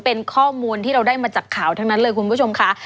เป็นข้อมูลที่เราได้มาจากข่าวทั้งนั้นเลยคุณผู้ชมค่ะ